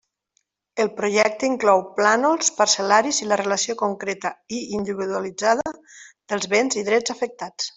El projecte inclou plànols parcel·laris i la relació concreta i individualitzada dels béns i drets afectats.